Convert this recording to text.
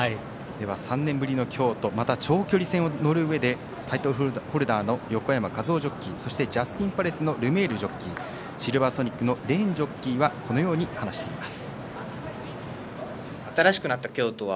３年ぶりの京都長距離戦を乗るうえでタイトルホルダーの横山和生ジョッキーそしてジャスティンパレスのルメールジョッキーシルヴァーソニックのレーンジョッキーはこのように話しています。